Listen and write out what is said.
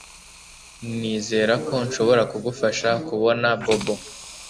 Nizera ko nshobora kugufasha kubona Bobo